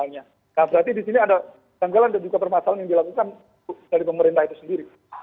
nah berarti di sini ada janggalan dan juga permasalahan yang dilakukan dari pemerintah itu sendiri